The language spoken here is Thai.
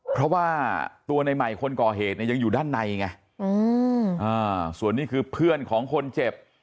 เพราะว่าตัวในใหม่คนก่อเหตุเนี่ยยังอยู่ด้านในไงส่วนนี้คือเพื่อนของคนเจ็บ